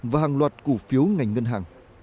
và hàng loạt cổ phiếu ngành ngân hàng